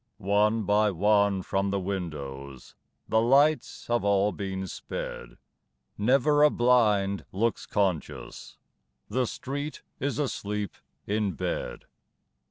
One by one from the windows The lights have all been sped. Never a blind looks conscious The street is asleep in bed!